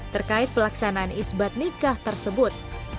terkait pelaksanaan isbat nikah tersebut